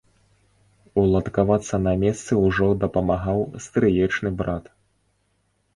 Уладкавацца на месцы ўжо дапамагаў стрыечны брат.